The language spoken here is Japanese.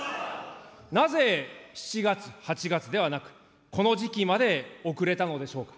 なぜ７月、８月ではなく、この時期まで遅れたのでしょうか。